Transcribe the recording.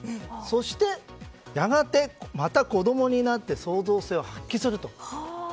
そして、やがてまた子供になって創造性を発揮すると。